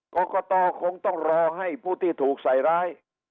กรกตคงต้องรอให้ผู้ที่ถูกใส่ร้าย